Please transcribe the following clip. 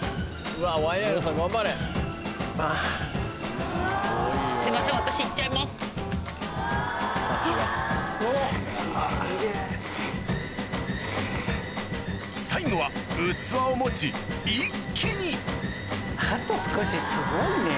・うわすげぇ・最後は器を持ち一気にあと少しすごいね。